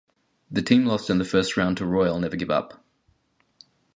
The team lost in the first round to Royal Never Give Up.